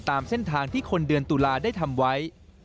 ตามเส้นทางที่คนเดือนตุลาได้ทำไว้